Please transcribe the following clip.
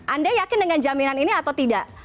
anda yakin dengan jaminan ini atau tidak